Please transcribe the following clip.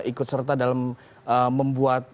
ikut serta dalam membuat